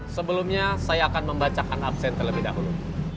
sebelumnya saya akan membacakan absen terlebih dahulu